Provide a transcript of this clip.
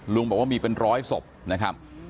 ลุงบอกว่ามีเป็นร้อยศพนะครับ